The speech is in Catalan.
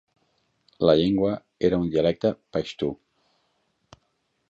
La llengua era un dialecte paixtu.